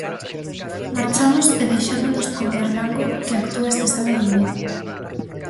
Marchamos e deixámolos con Marlango que actúa este sábado en Vigo.